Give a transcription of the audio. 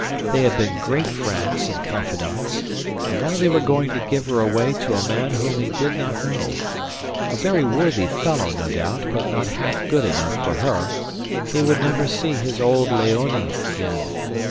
They had been great friends and confidants; and now they were going to give her away to a man whom he did not know a very worthy fellow, no doubt, but not half good enough for her. He would never see his old Léonie again.